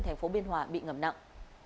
thành phố biên hòa bị ngập nặng